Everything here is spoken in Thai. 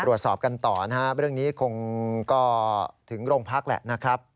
ตรวจสอบกันต่อนะครับเรื่องนี้คงก็ถึงโรงพักแหละนะครับ